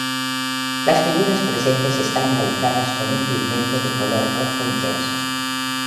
Las figuras presentes están realizadas con un pigmento de color rojo intenso.